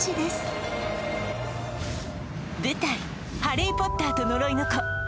「ハリー・ポッターと呪いの子」